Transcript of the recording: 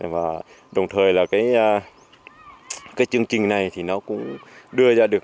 và đồng thời là cái chương trình này thì nó cũng đưa ra được